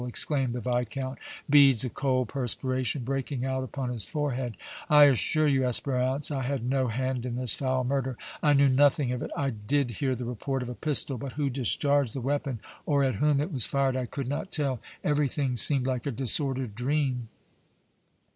exclaimed the Viscount, beads of cold perspiration breaking out upon his forehead. "I assure you, Espérance, I had no hand in this foul murder I knew nothing of it! I did hear the report of a pistol, but who discharged the weapon or at whom it was fired I could not tell. Everything seemed like a disordered dream!"